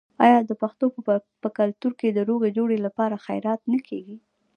آیا د پښتنو په کلتور کې د روغې جوړې لپاره خیرات نه کیږي؟